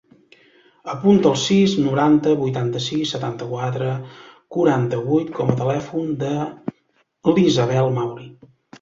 Apunta el sis, noranta, vuitanta-sis, setanta-quatre, quaranta-vuit com a telèfon de l'Isabel Mauri.